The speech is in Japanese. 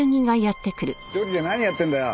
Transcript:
一人で何やってんだよ？